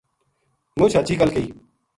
مچ ہچھی گل کہی